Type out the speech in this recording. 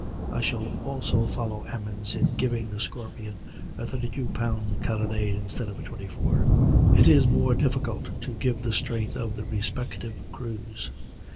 I shall also follow Emmons in giving the Scorpion a 32 pound carronade instead of a 24. It is more difficult to give the strength of the respective crews.